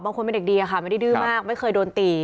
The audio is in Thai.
เป็นคนเป็นเด็กดีอะค่ะไม่ได้ดื้อมากไม่เคยโดนตี